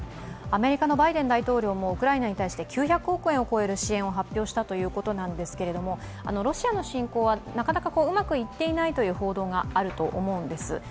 アメリカのバイデン大統領もウクライナに対して９００億円を超える支援を発表したということなんですけどロシアの侵攻はなかなかうまくいっていないという報道があると思うんです。